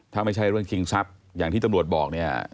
ถ้าไม่ใช่เรื่องชิงทรัพย์อย่างที่ตำรวจบอกเนี่ย